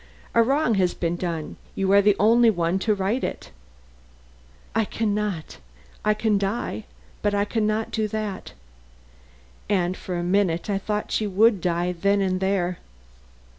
A wrong has been done; you are the only one to right it." "I can not. I can die, but I can not do that." And for a minute I thought she would die then and there.